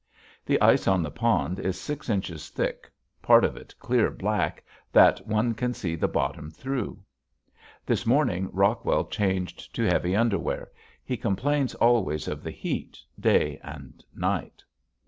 The ice on the pond is six inches thick, part of it clear black that one can see the bottom through. This morning Rockwell changed to heavy underwear. He complains always of the heat, day and night.